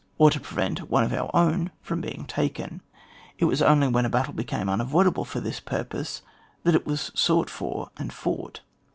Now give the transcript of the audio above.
or to prevent one of our own from being taken ; it was only when a battle became unavoidable for this purpose that it was sought for and fought.